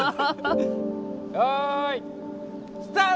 よいスタート！